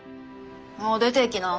もう出ていきな。